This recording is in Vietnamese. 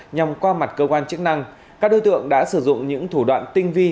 nhằm qua mặt cơ quan chức năng các đối tượng đã sử dụng những thủ đoạn tinh vi